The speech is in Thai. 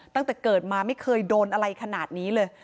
ตั้งแต่เกิดมาไม่เคยโดนอะไรขนาดนี้เลย